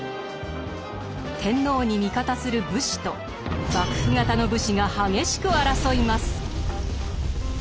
天皇に味方する武士と幕府方の武士が激しく争います。